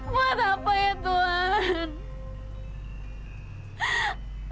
buat apa ya tuhan